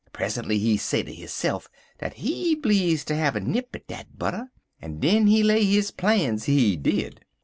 Present'y he say ter hisse'f dat he bleedzd ter have a nip at dat butter, en den he lay his plans, he did.